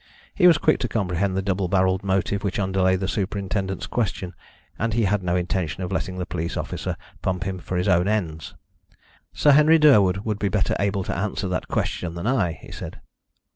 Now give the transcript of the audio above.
He was quick to comprehend the double barrelled motive which underlay the superintendent's question, and he had no intention of letting the police officer pump him for his own ends. "Sir Henry Durwood would be better able to answer that question than I," he said.